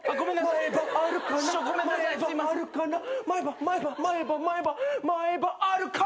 前歯あるかな？」「前歯前歯前歯前歯前歯あるかな？」